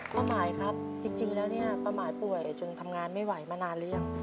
ป้าหมายครับจริงแล้วเนี่ยป้าหมายป่วยจนทำงานไม่ไหวมานานหรือยัง